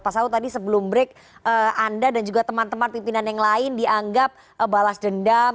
pak saud tadi sebelum break anda dan juga teman teman pimpinan yang lain dianggap balas dendam